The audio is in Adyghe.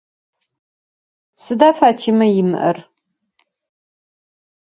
Сыда Фатимэ имыӏэр?